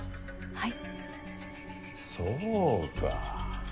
はい。